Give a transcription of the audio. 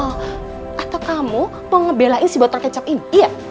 oh atau kamu mau ngebelain si botol kecap ini ya